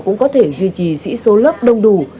cũng có thể duy trì sĩ số lớp đông đủ